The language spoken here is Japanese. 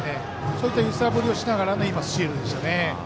そういった揺さぶりをしながらでしたね。